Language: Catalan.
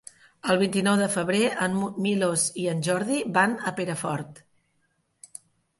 El vint-i-nou de febrer en Milos i en Jordi van a Perafort.